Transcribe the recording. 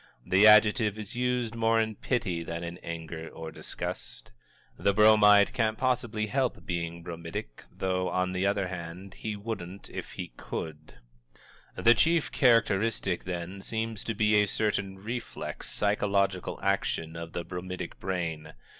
The adjective is used more in pity than in anger or disgust. The Bromide can't possibly help being bromidic though, on the other hand, he wouldn't if he could. The chief characteristic, then, seems to be a certain reflex psychological action of the bromidic brain.